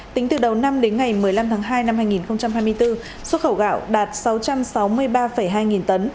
tính từ đầu năm đến ngày một mươi năm tháng hai năm hai nghìn hai mươi bốn xuất khẩu gạo đạt sáu trăm sáu mươi ba hai nghìn tấn